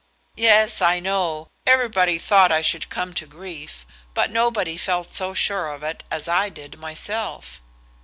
"Yes, I know. Everybody thought I should come to grief; but nobody felt so sure of it as I did myself."